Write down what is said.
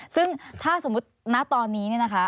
ซึ่งถ้าสมมุติณตอนนี้เนี่ยนะคะ